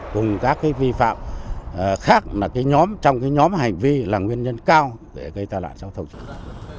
cùng các vi phạm khác trong nhóm hành vi là nguyên nhân cao để gây ta lại trong thông trường